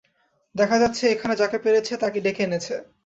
দেখা যাচ্ছে, এখানে যাকে পেরেছে ডেকে এনেছে।